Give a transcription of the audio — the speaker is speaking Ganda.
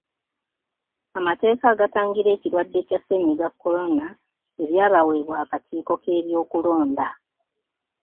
Amateeka agatangira ekirwadde kya ssennyiga korona ebyabaweebwa akakiiko k'ebyokulonda.